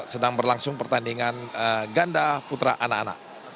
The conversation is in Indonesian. sedang berlangsung pertandingan ganda putra anak anak